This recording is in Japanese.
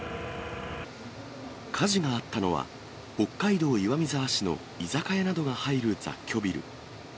火事があったのは、北海道岩見沢市の居酒屋などが入る雑居ビル。